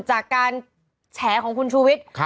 จากการแฉของคุณชูวิทย์